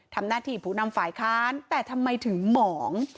ทำหน้าที่ผู้นำฝ่ายค้านแต่ทำไมถึงหมอง